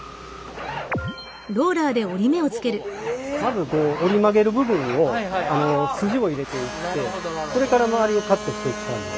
まず折り曲げる部分を筋を入れていってそれから周りをカットしていく感じ。